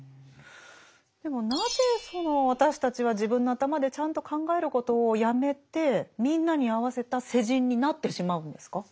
でもなぜその私たちは自分の頭でちゃんと考えることをやめてみんなに合わせた世人になってしまうんですか？